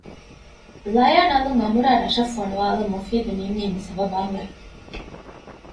ލަޔާން އަލުން އަނބުރާ ރަށަށް ފޮނުވާލަން މުފީދު ނިންމީ މި ސަބަބާހުރޭ